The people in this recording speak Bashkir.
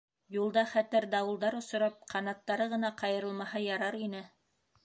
Юлда хәтәр дауылдар осрап, ҡанаттары ғына ҡайырылмаһа ярар ине...